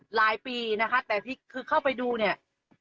หลายปีนะคะแต่พี่คือเข้าไปดูเนี่ย